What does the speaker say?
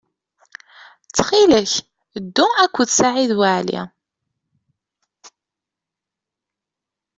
Ttxil-k, ddu akked Saɛid Waɛli.